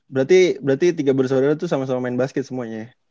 berarti tiga bersaudara itu sama sama main basket semuanya ya